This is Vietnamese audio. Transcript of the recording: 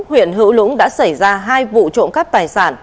huyện hữu lũng đã xảy ra hai vụ trộm cắp tài sản